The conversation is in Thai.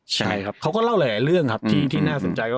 ใช่ครับเขาก็เล่าหลายเรื่องครับที่น่าสนใจว่า